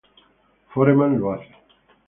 Foreman lo hace.